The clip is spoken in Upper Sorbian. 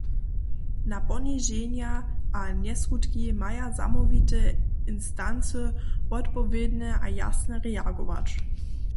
Na poniženja a njeskutki maja zamołwite instancy wotpowědnje a jasnje reagować.